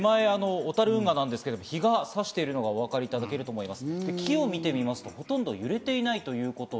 手前は小樽運河ですが、日がさしているのがお分かりいただけると思います。